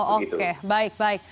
oh oke baik baik